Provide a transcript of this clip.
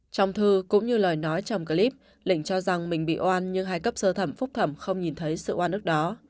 trong thư cũng như lời nói trong clip lịnh cho rằng mình bị oan nhưng hai cấp sơ thẩm phúc thẩm không nhìn thấy sự oan ức đó